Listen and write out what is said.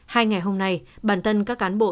hai ngày hôm nay bản thân các cán bộ